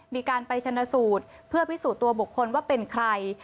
มีการไปชนะสูตรเพื่อพิสูจน์ตัวบุคคลว่าเป็นใคร